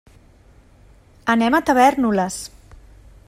Anem a Tavèrnoles.